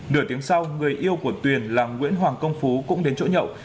nửa tiếng sau người yêu của tuyền là nguyễn hoàng công phú cũng đến chỗ nhậu